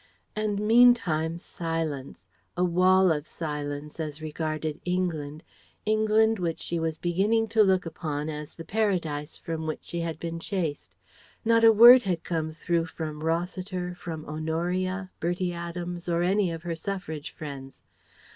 And meantime, silence, a wall of silence as regarded England England which she was beginning to look upon as the paradise from which she had been chased. Not a word had come through from Rossiter, from Honoria, Bertie Adams, or any of her Suffrage friends.